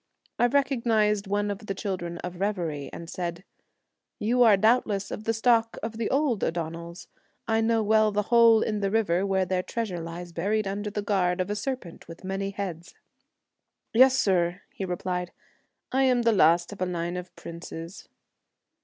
I recognized one of the children of reverie, and said, ' You are doubtless of the stock of the old O'Donnells. I know well the hole in the river where their treasure lies buried under the guard of a serpent with many heads.' ' Yes, sur,' he replied, ' I am the last of a line of princes.'